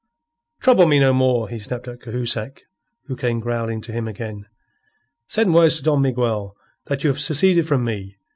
"Trouble me no more," he snapped at Cahusac, who came growling to him again. "Send word to Don Miguel that you have seceded from me.